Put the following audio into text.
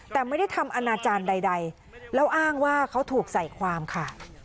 แต่ไม่ได้ทำอนาจารย์ใดแล้วอ้างว่าเขาถูกใส่ความค่ะ